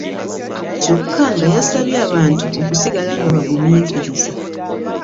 Kyokka nga yasabye abantu okusigala nga bagumiinkiriza.